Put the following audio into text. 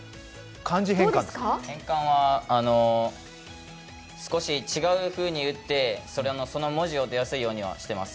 変換は少し違うふうに打ってその文字が出やすいようにしています。